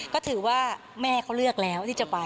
ก็ถือว่าแม่เขาเลือกแล้วที่จะไป